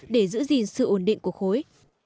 để giữ gìn sự ổn định của khối